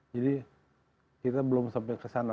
jadi kita belum sampai kesana